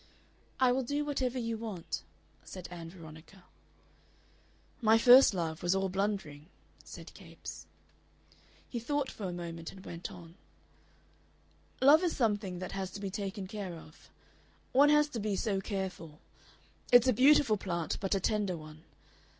"I will do whatever you want," said Ann Veronica. "My first love was all blundering," said Capes. He thought for a moment, and went on: "Love is something that has to be taken care of. One has to be so careful.... It's a beautiful plant, but a tender one....